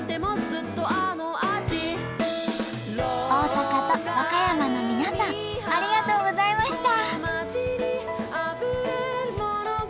大阪と和歌山の皆さんありがとうございました。